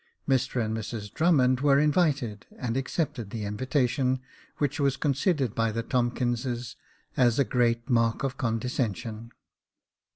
Mr and Mrs Drummond were invited, and accepted the invitation, which was con sidered by the Tomkinses as a great mark of condescension.